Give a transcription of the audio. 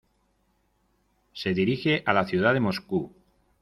Se dirige a la ciudad de Moscú.